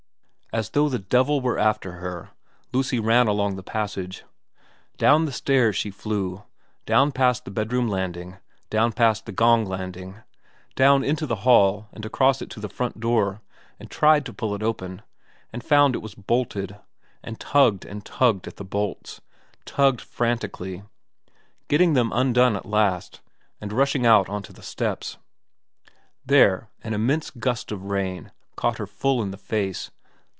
As though the devil were after her Lucy ran along the passage. Down the stairs she flew, down past the bedroom landing, down past the gong landing, down into the hall and across it to the front door, and tried to pull it open, and found it was bolted, and tugged and tugged at the bolts, tugged frantically, getting them undone at last, and rushing out on to the steps. There an immense gust of rain caught her full in the face.